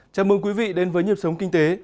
chào mừng quý vị đến với nhịp sống kinh tế